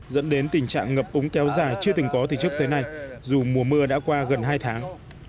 dẫn đến tình trạng ngập úng kéo dài chưa từng có thì trước tới nay dù mùa mưa đã qua gần hai tháng